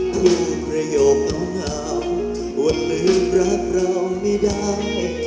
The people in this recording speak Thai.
พูดประโยคเหงาว่าลืมรักเราไม่ได้